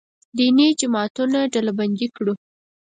دیني جماعتونه ډلبندي کړو.